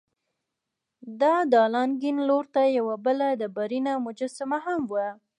د دالان کیڼ لور ته یوه بله ډبرینه مجسمه هم وه.